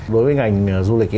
đối với ngành du lịch